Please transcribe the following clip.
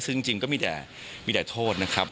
ซึ่งจริงก็มีแต่โทษนะครับ